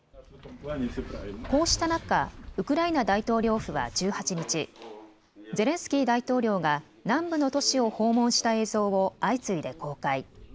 こうした中、ウクライナ大統領府は１８日、ゼレンスキー大統領が南部の都市を訪問した映像を相次いで公開。